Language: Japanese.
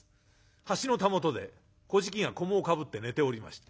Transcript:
橋のたもとでこじきが菰をかぶって寝ておりました。